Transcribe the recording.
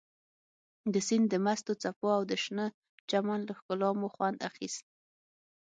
د سیند د مستو څپو او د شنه چمن له ښکلا مو خوند اخیست.